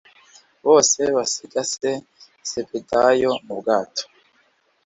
bose basiga se zebedayo mu bwato.